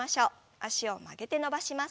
脚を曲げて伸ばします。